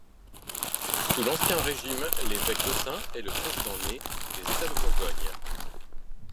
Sous l'Ancien régime, l'évêque d'Autun est le président-né des états de Bourgogne.